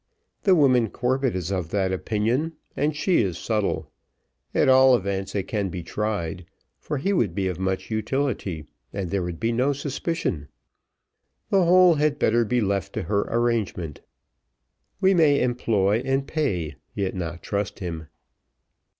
"The woman Corbett is of that opinion, and she is subtle. At all events, it can be tried; for he would be of much utility, and there would be no suspicion. The whole had better be left to her arrangement. We may employ, and pay, yet not trust him."